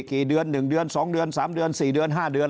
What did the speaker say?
กี่เดือน๑เดือน๒เดือน๓เดือน๔เดือน๕เดือน